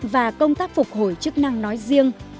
và công tác phục hồi chức năng nói riêng